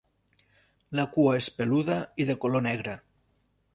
La cua és peluda i de color negre.